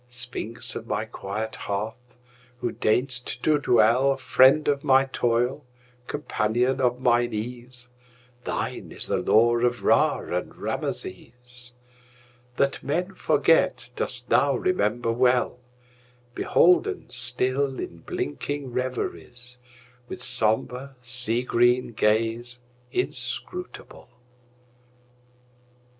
Sphinx of my quiet hearth! who deign'st to dwellFriend of my toil, companion of mine ease, Thine is the lore of Ra and Rameses; That men forget dost thou remember well, Beholden still in blinking reveriesWith sombre, sea green gaze inscrutable.